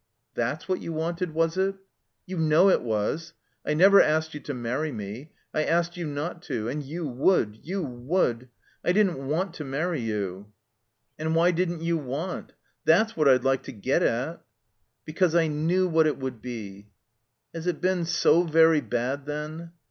That's what you wanted, was it?'* You know it was. I never asked you to marry me. I asked you not to. And you would — you would. I didn't want to marry you." ''And why didn't you want? That's what I'd Uke to get at?" ''Because I knew what it would be." "Has it been so very bad then?"